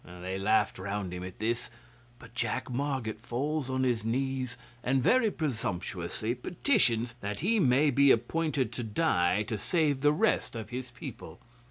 They laughed round him at this, but Jack Marget falls on his knees, and very presumptuously petitions that he may be appointed to die to save the rest of his people.